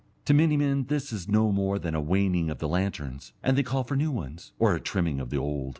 To many men this is no more than a waning of the lanterns, and they call for new ones, or a trimming of the old.